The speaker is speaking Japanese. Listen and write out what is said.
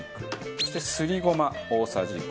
そしてすりごま大さじ５。